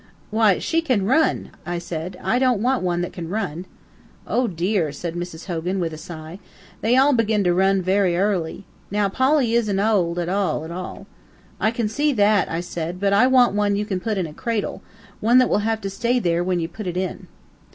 "Why, she can run," I said. "I don't want one that can run." "Oh, dear!" said Mrs. Hogan, with a sigh, "they all begin to run, very airly. Now Polly isn't owld, at all, at all." "I can see that," said I, "but I want one that you can put in a cradle one that will have to stay there, when you put it in."